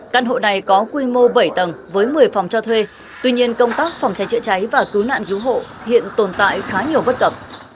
căn hộ này có quy mô bảy tầng với một mươi phòng cho thuê tuy nhiên công tác phòng cháy chữa cháy và cứu nạn cứu hộ hiện tồn tại khá nhiều bất cập